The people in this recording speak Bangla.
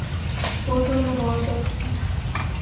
কৌতূহলে মরে যাচ্ছি।